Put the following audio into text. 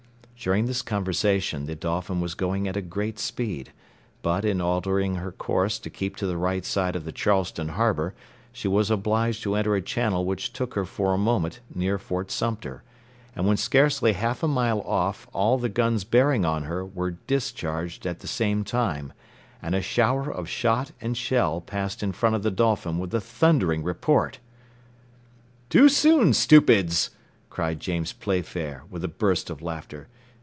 During this conversation the Dolphin was going at a great speed; but in altering her course to keep to the right side of the Charleston Harbour she was obliged to enter a channel which took her for a moment near Fort Sumter; and when scarcely half a mile off all the guns bearing on her were discharged at the same time, and a shower of shot and shell passed in front of the Dolphin with a thundering report. "Too soon, stupids," cried James Playfair, with a burst of laughter.